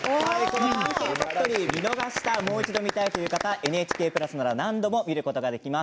「探検ファクトリー」見逃した、もう一度見たいという方、ＮＨＫプラスなら何度も見ることができます。